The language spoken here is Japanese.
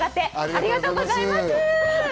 ありがとうございます。